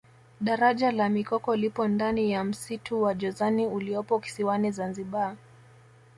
daraja la mikoko lipo ndani ya msitu wa jozani uliopo kisiwani zanzibar